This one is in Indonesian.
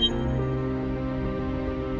di dalam negeri kami